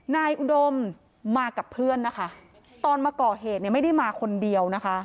อุดมมากับเพื่อนนะคะตอนมาก่อเหตุเนี่ยไม่ได้มาคนเดียวนะคะ